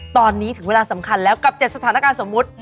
ตอนนี้ถึงเวลาสำคัญแล้วกับ๗สถานการณ์สมมุติ